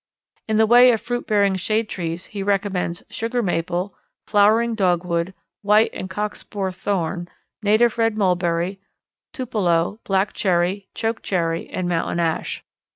In the way of fruit bearing shade trees he recommends sugar maple, flowering dogwood, white and cockspur thorn, native red mulberry, tupelo, black cherry, choke cherry, and mountain ash.